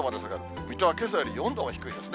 水戸はけさより４度も低いですね。